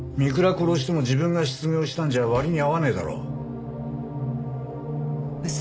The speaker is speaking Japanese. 殺しても自分が失業したんじゃ割に合わねえだろ。